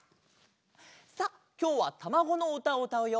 さあきょうはたまごのうたをうたうよ。